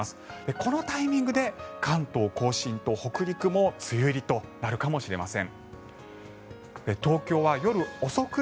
このタイミングで関東・甲信と北陸も梅雨入りとなるかもしれません。